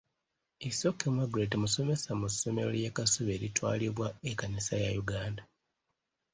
Isoke Margret musomesa mu ssomero ly'e Kasubi eritwalibwa ekkanisa ya Uganda.